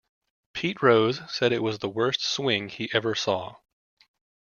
Pete Rose said it was the worst swing he ever saw.